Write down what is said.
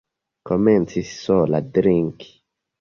Komencis sola drinki.